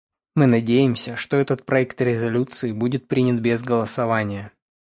Мы надеемся, что этот проект резолюции будет принят без голосования.